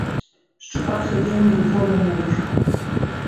Шчупак сядзеў нерухома на ложку.